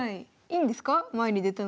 いいんですよ。